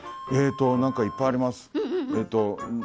なんかいっぱいあります。